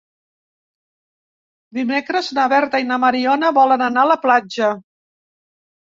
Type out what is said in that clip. Dimecres na Berta i na Mariona volen anar a la platja.